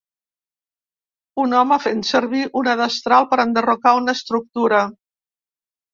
Un home fent servir una destral per enderrocar una estructura.